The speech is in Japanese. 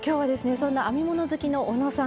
そんな編み物好きのおのさん